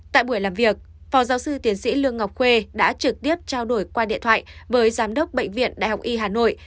tại buổi làm việc phó giáo sư tiến sĩ lương ngọc khuê đã trực tiếp trao đổi qua điện thoại với giám đốc bệnh viện đại học y hà nội